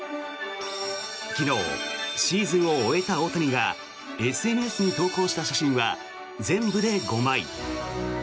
昨日、シーズンを終えた大谷がＳＮＳに投稿した写真は全部で５枚。